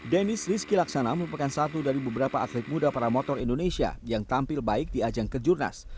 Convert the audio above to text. dennis rizky laksana merupakan satu dari beberapa atlet muda para motor indonesia yang tampil baik di ajang kejurnas